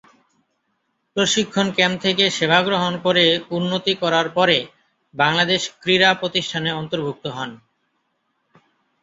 প্রশিক্ষন ক্যাম্প থেকে সেবা গ্রহণ করে উন্নতি করার পরে বাংলাদেশ ক্রীড়া প্রতিষ্ঠানে অন্তর্ভুক্ত হন।